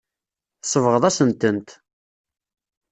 Tsebɣeḍ-asen-tent.